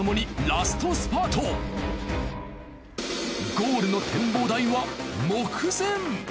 ゴールの展望台は目前。